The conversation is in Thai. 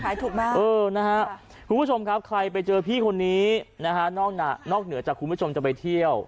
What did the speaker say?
ขายถุงมากคุณผู้ชมครับใครไปเจอพี่คนนี้นอกเหนือจากคุณผู้ชมจะไปเที่ยว